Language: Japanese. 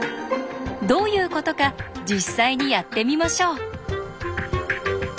どういうことか実際にやってみましょう。